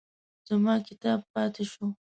زما کتاب پاتې شو.